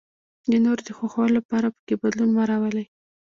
د نورو د خوښولو لپاره پکې بدلون مه راولئ.